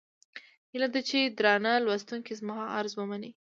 هيله ده چې درانه لوستونکي زما عرض ومني.